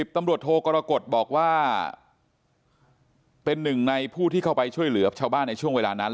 ตำรวจโทกรกฎบอกว่าเป็นหนึ่งในผู้ที่เข้าไปช่วยเหลือชาวบ้านในช่วงเวลานั้น